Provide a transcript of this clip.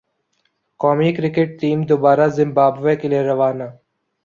قومی cricket team دورہ Zimbabwe کے لئے روانہ